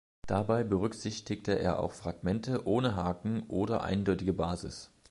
Dabei berücksichtigte er auch Fragmente ohne Haken oder eindeutige Basis.